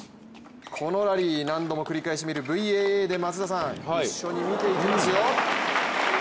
このラリー、何度も繰り返し見るＶＡＡで松田さん、一緒に見ていきますよ。